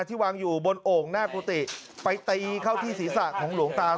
ที่วางอยู่บนโอ่งหน้ากุฏิไปตีเข้าที่ศีรษะของหลวงตา